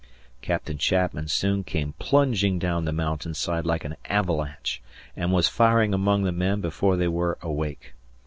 Captain Chapman soon came plunging down the mountainside like an avalanche and was firing among the men before they were awake.